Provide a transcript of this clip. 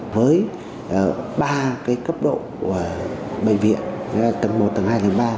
với ba cấp độ bệnh viện tầng một tầng hai tầng ba